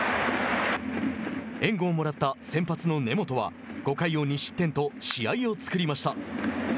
援護をもらった先発の根本は５回を２失点と試合を作りました。